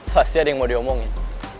pasti ada yang mau diomongin